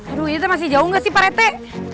aduh ini tuh masih jauh gak sih pak rete